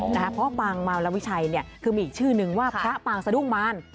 เพราะปางเมาและวิชัยคือมีอีกชื่อนึงว่าพระปางสะดุ้งมาร